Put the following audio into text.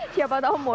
siapa tahu mau die